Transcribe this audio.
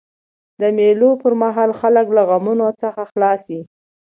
د مېلو پر مهال خلک له غمونو څخه خلاص يي.